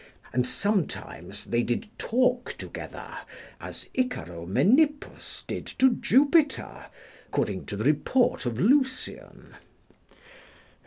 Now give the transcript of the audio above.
And sometimes they did talk together as Icaromenippus did to Jupiter, according to the report of Lucian.